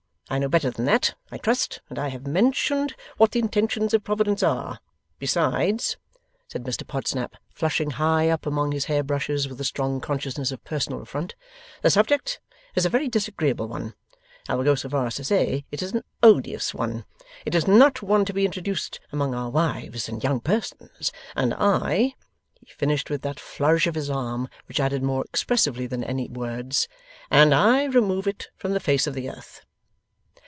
I know better than that, I trust, and I have mentioned what the intentions of Providence are. Besides,' said Mr Podsnap, flushing high up among his hair brushes, with a strong consciousness of personal affront, 'the subject is a very disagreeable one. I will go so far as to say it is an odious one. It is not one to be introduced among our wives and young persons, and I ' He finished with that flourish of his arm which added more expressively than any words, And I remove it from the face of the earth.